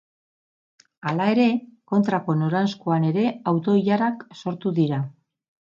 Hala ere, kontrako noranzkoan ere auto-ilarak sortu dira.